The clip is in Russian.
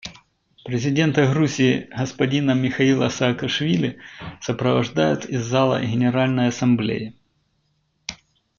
Президента Грузии господина Михаила Саакашвили сопровождают из зала Генеральной Ассамблеи.